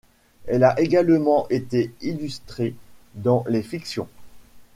Elle a également été illustrées dans les fictions.